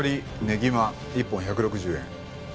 ねぎま１本１６０円。